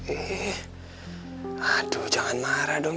eh aduh jangan marah dong